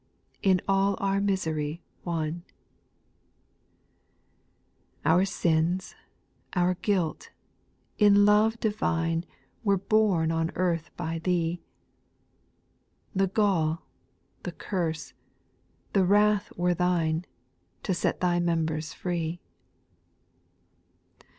In all our misery one. 8. Our sins, our guilt, in love divine, Were borne on earth by Thee ; The gall, the curse, the wrath were Thine, To set Thy members free.